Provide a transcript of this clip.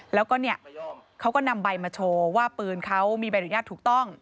แล้วก็เนี่ยเขาก็นำใบมาโชว์ว่าปืนเขามีใบอนุญาตถูกต้อง